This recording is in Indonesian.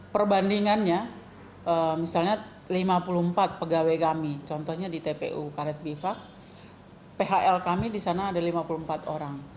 perbandingannya misalnya lima puluh empat pegawai kami contohnya di tpu karet biva phl kami di sana ada lima puluh empat orang